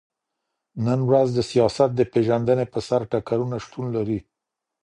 نن ورځ د سياست د پېژندني پر سر ټکرونه شتون لري.